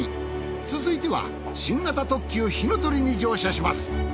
続いては新型特急ひのとりに乗車します。